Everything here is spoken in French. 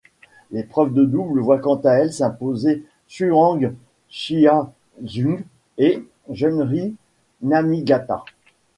L'épreuve de double voit quant à elle s'imposer Chuang Chia-Jung et Junri Namigata.